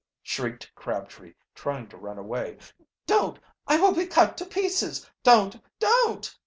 shrieked Crabtree, trying to run away. "Don't I will be cut to pieces! Don't! don't!"